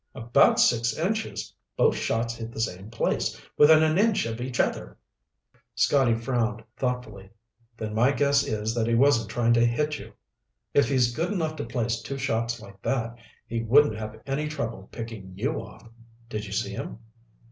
"About six inches. Both shots hit the same place, within an inch of each other." Scotty frowned thoughtfully. "Then my guess is that he wasn't trying to hit you. If he's good enough to place two shots like that, he wouldn't have any trouble picking you off. Did you see him?"